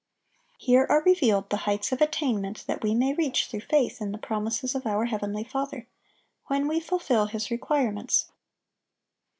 (823) Here are revealed the heights of attainment that we may reach through faith in the promises of our heavenly Father, when we fulfil His requirements.